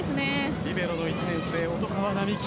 リベロの１年生・音川南季。